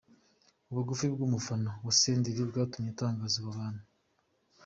Ubugufi bw’umufana wa Senderi bwatumye atangaza abantu:.